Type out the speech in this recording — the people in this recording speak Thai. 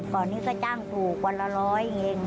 ก่อนนี้ก็จ้างปลูกวันละร้อยเอง